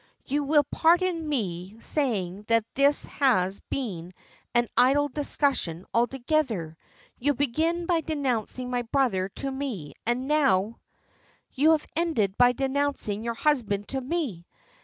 You will pardon me saying that this has been an idle discussion altogether. You began by denouncing my brother to me, and now " "You have ended by denouncing your husband to me!